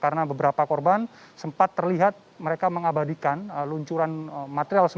karena beberapa korban sempat terlihat mereka mengabadikan luncuran materi yang dikuburkan di wilayah satu wilayah satu